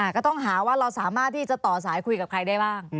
ก็ต้องหาว่าเราสามารถที่จะต่อสายคุยกับใครได้บ้าง